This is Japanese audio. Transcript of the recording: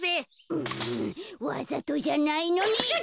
うわざとじゃないのに。